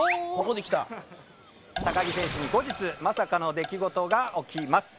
高木選手に後日まさかの出来事が起きます。